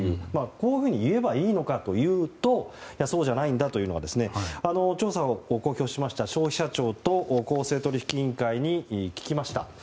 こういうふうに言えばいいのかというとそうじゃないんだというのは調査を公表しました消費者庁と公正取引委員会に聞きました。